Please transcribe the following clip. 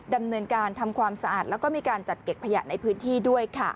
ดำเนินการทำความสะอาดแล้วก็มีการจัดเก็บขยะในพื้นที่ด้วยค่ะ